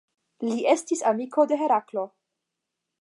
Li estis amiko de Heraklo.